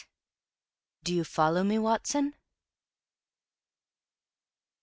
"Do You Follow Me, Watson?"